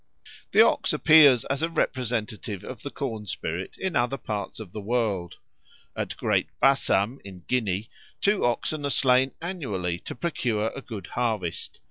The OX appears as a representative of the corn spirit in other parts of the world. At Great Bassam, in Guinea, two oxen are slain annually to procure a good harvest.